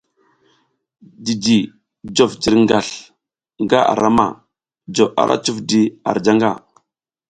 Jiji jof jirgasl nga ara ma jo ara cuf di ar janga.